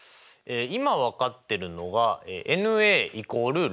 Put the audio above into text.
今分かってるのがｎ＝６。